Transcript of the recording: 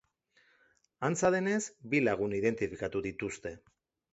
Antza denez, bi lagun identifikatu dituzte.